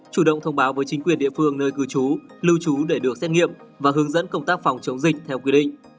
chủ động thông báo với chính quyền địa phương nơi cư trú lưu trú để được xét nghiệm và hướng dẫn công tác phòng chống dịch theo quy định